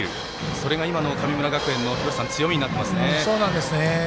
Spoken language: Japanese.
それが今の神村学園の強みになっていますね。